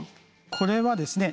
これはですね